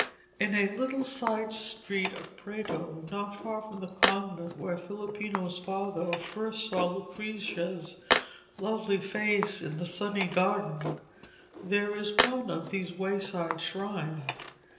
In a little side street of Prato, not far from the convent where Filippino's father first saw Lucrezia's lovely face in the sunny garden, there is one of these wayside shrines.